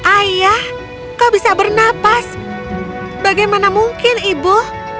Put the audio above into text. ayah kau bisa bernapas bagaimana mungkin ibu